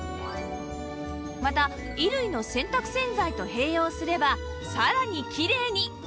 また衣類の洗濯洗剤と併用すればさらにきれいに